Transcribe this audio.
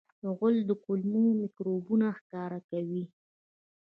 غول د کولمو میکروبونه ښکاره کوي.